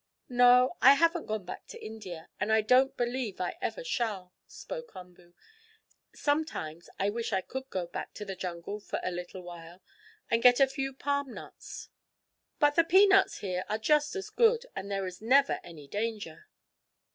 "No, I haven't gone back to India, and I don't believe I ever shall," spoke Umboo. "Sometimes I wish I could go back in the jungle for a little while, and get a few palm nuts, but the peanuts here are just as good, and there is never any danger."